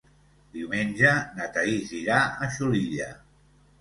Diumenge na Thaís irà a Xulilla.